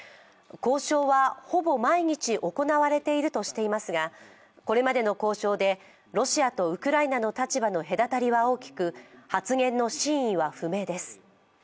交渉は、ほぼ毎日行われているとしていますが、これまでの交渉でロシアとウクライナの立場の隔たりは大きく発言の真意は不明です。